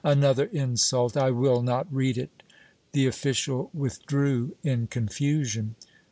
Another insult! I will not read it!" The official withdrew in confusion.